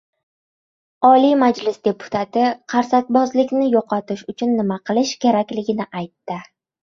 Oliy Majlis deputati qarsakbozlikni yo‘qotish uchun nima qilish kerakligini aytdi